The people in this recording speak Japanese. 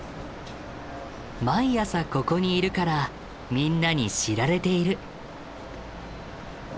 毎朝ここにいるからみんなに知られている。